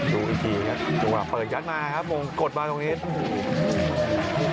ดูอีกทีนะเปิดยัดมาครับมงกดมาตรงนี้